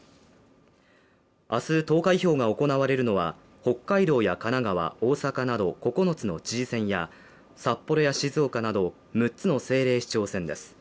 明日投開票が行われるのは、北海道や神奈川、大阪など九つの知事選や札幌や静岡など六つの政令市長選です。